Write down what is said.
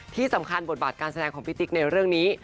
ที่สำคัญบทบาทการแสดงของพี่ติ๊กในเรื่องนี้